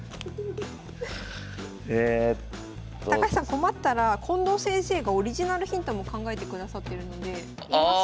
困ったら近藤先生がオリジナルヒントも考えてくださってるので言います？